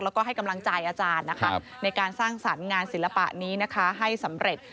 แล้วก็ให้กำลังใจอาจารย์นะคะในการสร้างสรรค์งานศิลปะนี้นะคะให้สำเร็จ